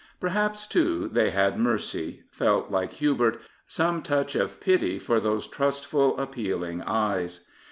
Perhaps, too, they had mercy; felt, like Hubert, some touch of pity for those trustful, appeal ing eyes.